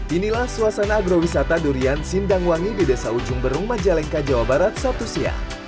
inilah suasana agrowisata durian sindangwangi di desa ujung berung majalengka jawa barat sabtu siang